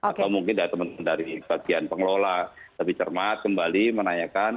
atau mungkin dari teman teman dari bagian pengelola lebih cermat kembali menanyakan